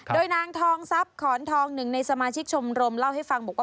โดยนางทองทรัพย์ขอนทองหนึ่งในสมาชิกชมรมเล่าให้ฟังบอกว่า